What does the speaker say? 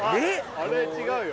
あれ違うよ